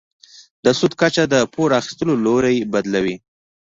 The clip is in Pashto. د سود کچه د پور اخیستلو لوری بدلوي.